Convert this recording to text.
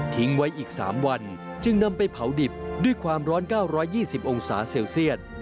ไว้อีก๓วันจึงนำไปเผาดิบด้วยความร้อน๙๒๐องศาเซลเซียต